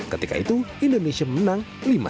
ketika itu indonesia menang lima satu